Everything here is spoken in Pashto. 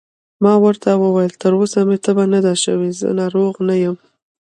ما ورته وویل: تر اوسه مې تبه نه ده شوې، زه ناروغ نه یم.